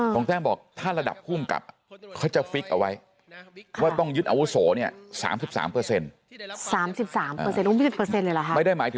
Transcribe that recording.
การการทำกฎถึงพวกนี้